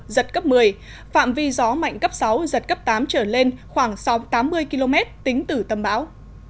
giật cấp một mươi phạm vi gió mạnh cấp sáu giật cấp tám trở lên khoảng sáu tám mươi km tính từ tâm bão